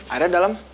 ada di dalam